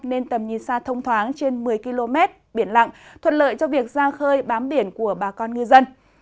nên tầm nhìn xa thông thoáng trên một mươi km biển lặng thuận lợi cho việc ra khơi bám biển của bà con ngư dân